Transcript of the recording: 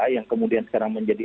yang kemudian sekarang menjadi